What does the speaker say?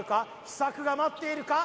秘策が待っているか？